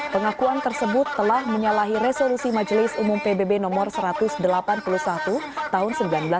pengakuan tersebut telah menyalahi resolusi majelis umum pbb no satu ratus delapan puluh satu tahun seribu sembilan ratus delapan puluh